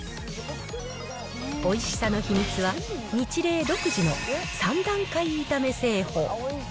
おいしさの秘密は、ニチレイ独自の三段階炒め製法。